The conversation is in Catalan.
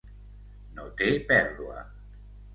no té pèrdua